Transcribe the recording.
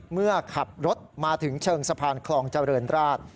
เมื่อขับรถมาถึงเชิงสะพานคลองเจริญราช